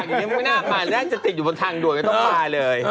มึงไม่น่าไปน่าจะติดอยู่บนทางด่วงมันต้องอาคารเลย